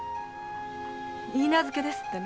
許婚ですってね。